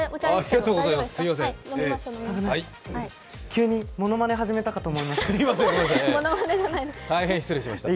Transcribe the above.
急にものまね始めたかと思いました。